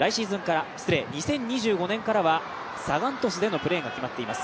２０２５年からはサガン鳥栖でのプレーが決まっています。